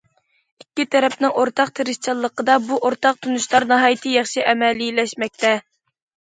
ئىككى تەرەپنىڭ ئورتاق تىرىشچانلىقىدا، بۇ ئورتاق تونۇشلار ناھايىتى ياخشى ئەمەلىيلەشمەكتە.